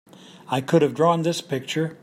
I could have drawn this picture!